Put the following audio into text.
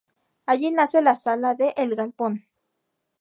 Allí nace la sala de El Galpón.